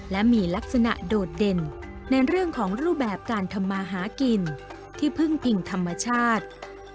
และมีลักษณะโดดเด่นในเรื่องของรูปแบบการทำมาหากินที่พึ่งพิงธรรมชาติ